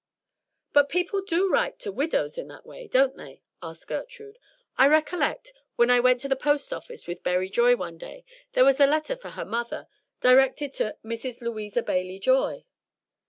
'" "But people do write to widows in that way, don't they?" asked Gertrude. "I recollect, when I went to the post office with Berry Joy one day, there was a letter for her mother, directed to Mrs. Louisa Bailey Joy."